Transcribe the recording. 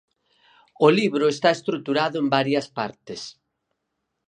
O libro está estruturado en varias partes.